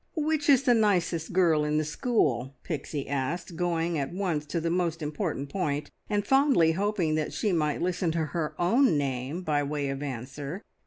"Which is the nicest girl in the school?" Pixie asked, going at once to the most important point, and fondly hoping that she might listen to her own name by way of answer.